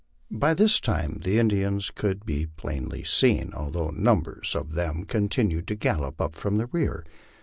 By this time the Indians could be plainly seen, although numbers of them continued to gallop up from the rear.